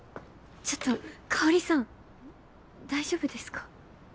ちょっと香さん大丈夫ですか？